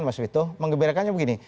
mas wito mengembirakannya begini